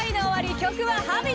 曲は「Ｈａｂｉｔ」。